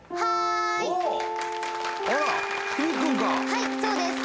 はい、そうです。